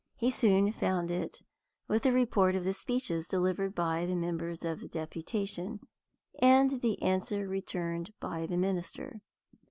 He soon found it, with the report of the speeches delivered by the members of the deputation, and the answer returned by the minister.